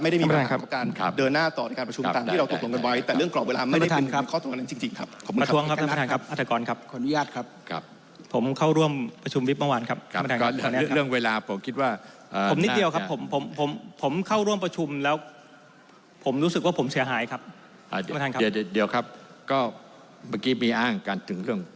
ไม่ได้มีวิธีของการเดินหน้าต่อ